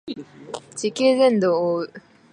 地球全土を覆う